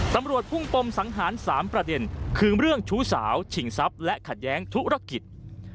ตำรวจพุ่งปมสังหาร๓ประเด็นคือเรื่องชู้สาวชิงทรัพย์และขัดแย้งธุรกิจ